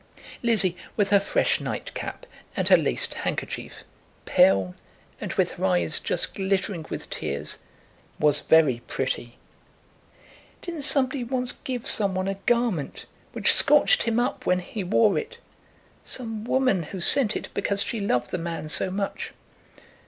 Lizzie, with her fresh nightcap, and her laced handkerchief, pale, and with her eyes just glittering with tears, was very pretty. "Didn't somebody once give some one a garment which scorched him up when he wore it, some woman who sent it because she loved the man so much?"